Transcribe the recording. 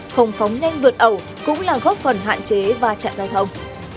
không phóng nhanh vượt ẩu cũng là góp phần hạn chế và chạm giao thông